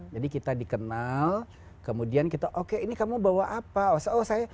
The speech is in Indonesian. jadi kita dikenal kemudian kita oke ini kamu bawa apa